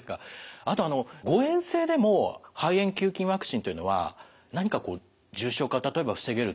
あとあの誤えん性でも肺炎球菌ワクチンというのは何か重症化を例えば防げるとか効果はあるんでしょうか？